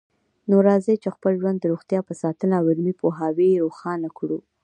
نو راځئ چې خپل ژوند د روغتیا په ساتنه او علمي پوهاوي روښانه کړو